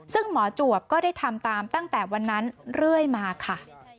ซึ่งหมอจวบก็ได้ทำตามตั้งแต่วันนั้นเรื่อยมาค่ะ